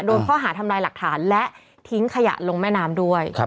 โดนข้อหาทำลายหลักฐานและทิ้งขยะลงแม่น้ำด้วย